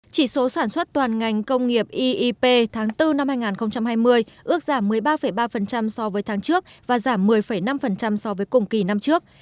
chỉ số sản xuất toàn ngành công nghiệp eip tháng bốn năm hai nghìn hai mươi ước giảm một mươi ba ba so với tháng trước và giảm một mươi năm so với cùng kỳ năm trước